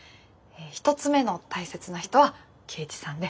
一つ目の大切な人は圭一さんで。